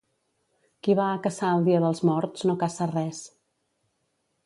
Qui va a caçar el dia dels morts no caça res.